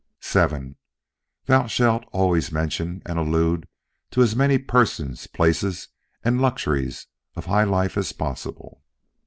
VII. Thou shalt always mention and allude to as many persons, places, and luxuries of high life as possible.